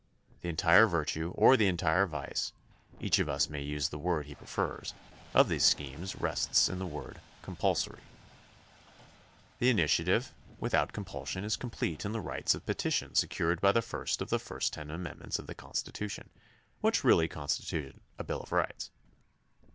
The entire virtue or the entire vice — each of us may use the word he pre fers — of these schemes rests in the word "compul sory." The initiative without compulsion is complete in the right of petition secured by the first of the first ten amendments to the Constitution, which really constituted a bill of rights.